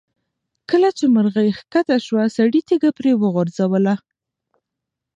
کله چې مرغۍ ښکته شوه، سړي تیږه پرې وغورځوله.